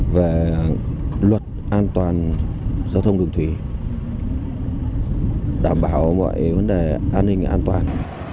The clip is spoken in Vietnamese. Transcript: về luật an toàn giao thông đường thủy đảm bảo mọi vấn đề an ninh an toàn